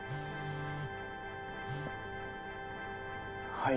はい。